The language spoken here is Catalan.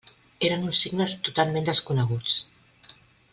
Eren uns signes totalment desconeguts.